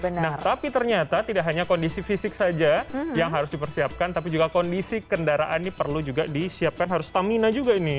nah tapi ternyata tidak hanya kondisi fisik saja yang harus dipersiapkan tapi juga kondisi kendaraan ini perlu juga disiapkan harus stamina juga nih